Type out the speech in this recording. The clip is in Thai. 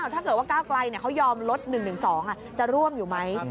ถ้าเกิดว่าก้าวไกลเขายอมลด๑๑๒จะร่วมอยู่ไหม